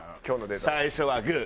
最初はグー！